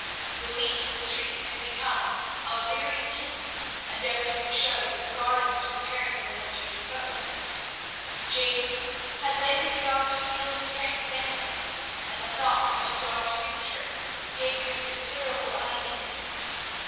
The leaves of the trees had become of varied tints, and everything showed that the garden was preparing for the winter's repose. James had lately begun to feel his strength failing, and the thought of his daughter's future gave him considerable uneasiness.